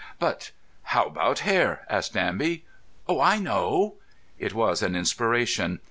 "But how about hair?" asked Danby. "Oh, I know." It was an inspiration.